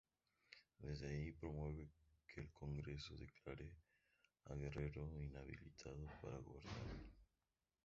Desde ahí promueve que el Congreso declare a Guerrero inhabilitado para gobernar.